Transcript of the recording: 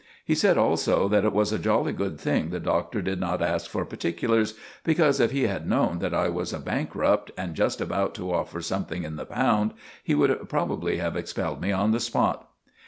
He said also that it was a jolly good thing the Doctor did not ask for particulars, because if he had known that I was a bankrupt and just about to offer something in the pound, he would probably have expelled me on the spot.